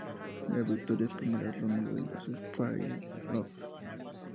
La victoria en primera ronda de los Spirits of St.